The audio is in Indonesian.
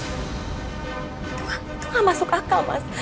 itu gak masuk akal mas